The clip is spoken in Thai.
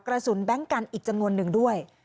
กระสุนแบล็งกันอีกจังงวลหนึ่งด้วย